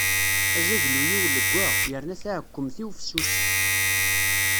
Azaglu-iw leggaɣ, yerna taɛekkemt-iw fessuset.